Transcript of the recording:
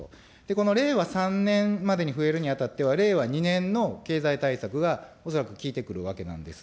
この令和３年までに増えるにあたっては、令和２年の経済対策が、恐らく効いてくるわけなんです。